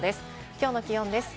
きょうの気温です。